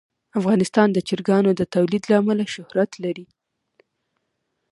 افغانستان د چرګانو د تولید له امله شهرت لري.